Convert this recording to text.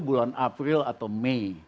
bulan april atau mei